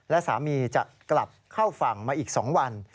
และสามีจะกลับเข้าฝั่งมาอีก๒วัน